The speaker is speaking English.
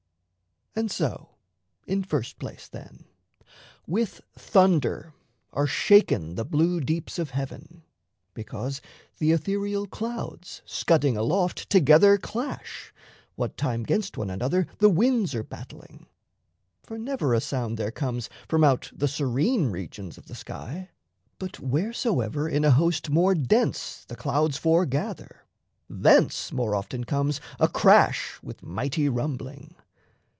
And so in first place, then, With thunder are shaken the blue deeps of heaven, Because the ethereal clouds, scudding aloft, Together clash, what time 'gainst one another The winds are battling. For never a sound there comes From out the serene regions of the sky; But wheresoever in a host more dense The clouds foregather, thence more often comes A crash with mighty rumbling.